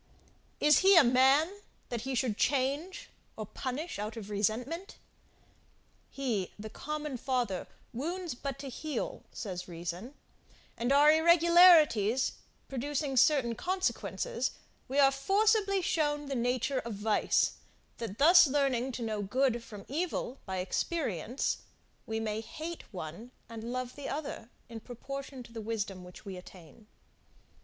Is he a man, that he should change, or punish out of resentment? He the common father, wounds but to heal, says reason, and our irregularities producing certain consequences, we are forcibly shown the nature of vice; that thus learning to know good from evil, by experience, we may hate one and love the other, in proportion to the wisdom which we attain.